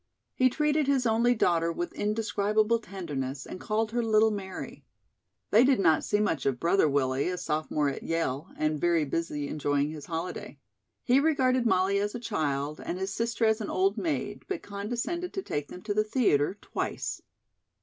He treated his only daughter with indescribable tenderness, and called her "Little Mary." They did not see much of "Brother Willie," a sophomore at Yale, and very busy enjoying his holiday. He regarded Molly as a child and his sister as an old maid, but condescended to take them to the theatre twice.